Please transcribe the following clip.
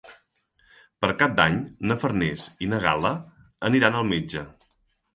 Per Cap d'Any na Farners i na Gal·la aniran al metge.